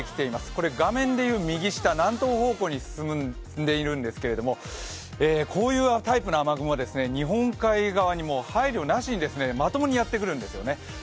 これ画面でいう右下、南東方向に進んでいるんですけれどもこういうタイプの雨雲は日本海側にも配慮なしにまともにやってくるんですよね。